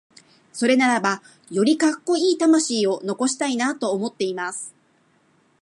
それならば、よりカッコイイ魂を残したいなと思っています。